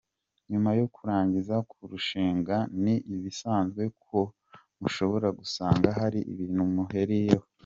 Nyuma yo kurangiza kurushinga, ni ibisanzwe ko mushobora gusanga hari ibintu muhuriyeho.